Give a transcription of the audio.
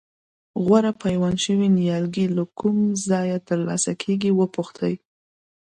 غوره پیوند شوي نیالګي له کوم ځایه ترلاسه کېږي وپوښتئ.